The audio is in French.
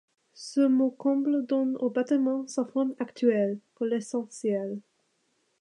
Ce Maucomble donne au bâtiment sa forme actuelle, pour l'essentiel.